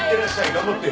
頑張って。